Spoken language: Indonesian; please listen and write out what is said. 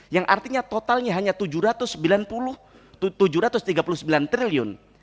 yang artinya totalnya hanya rp tujuh ratus tiga puluh sembilan triliun